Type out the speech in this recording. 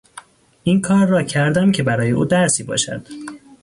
این کار را کردم که برای او درسی باشد.